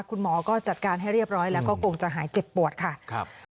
คุณหมอก็จัดการให้เรียบร้อยแล้วก็คงจะหายเจ็บปวดค่ะ